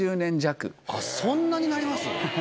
そんなになります？